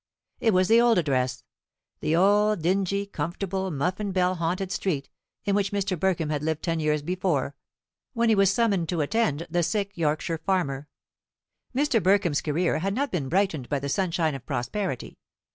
It was the old address; the old dingy, comfortable, muffin bell haunted street in which Mr. Burkham had lived ten years before, when he was summoned to attend the sick Yorkshire farmer. Mr. Burkham's career had not been brightened by the sunshine of prosperity.